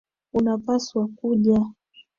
Unapaswa kuja.